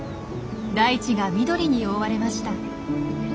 大地が緑に覆われました。